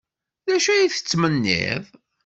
D acu ay tettmenniḍ?